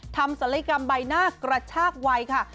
ศัลยกรรมใบหน้ากระชากวัยค่ะ